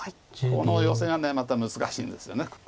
このヨセがまた難しいんですよね。